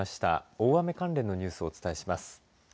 大雨関連のニュースをお伝えします。